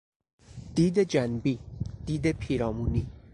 دید جنبی، دید پیرامونی